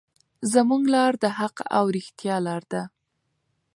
زموږ لار د حق او رښتیا لار ده.